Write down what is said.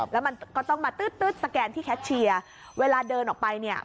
แล้วมันก็ต้องมาตื๊ดสแกนที่แคทเชียร์เวลาเดินออกไปเนี่ย